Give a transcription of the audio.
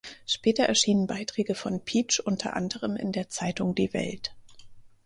Später erschienen Beiträge von Pietsch unter anderem in der Zeitung Die Welt.